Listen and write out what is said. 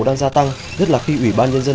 đang gia tăng nhất là khi ủy ban nhân dân